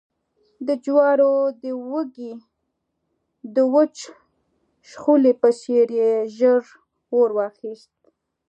د جوارو د وږي د وچ شخولي په څېر يې ژر اور واخیست